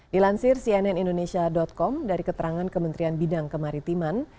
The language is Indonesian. dilansir cnn indonesia com dari keterangan kementerian bidang kemaritiman